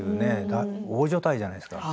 大所帯じゃないですか。